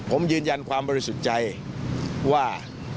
ผมยืนยันความบริสุทธิ์ใจว่า